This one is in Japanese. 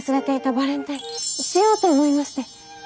バレンタインしようと思いまして。